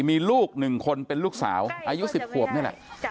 มีลูก๑คนเป็นลูกสาวอายุ๑๐ขวบนี่แหละ